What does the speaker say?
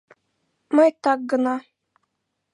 Мый так гына.